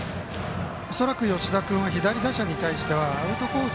恐らく吉田君は左打者に対してはアウトコース